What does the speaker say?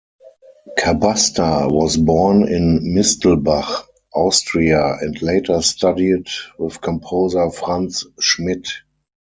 Kabasta was born in Mistelbach, Austria and later studied with composer Franz Schmidt.